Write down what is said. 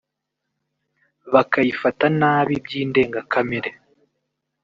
bakayifata nabi by’indengakamere